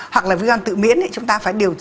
hoặc là viêm gan tự miễn thì chúng ta phải điều trị